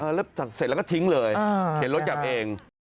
เสร็จแล้วก็ทิ้งเลยเขียนรถจับเอง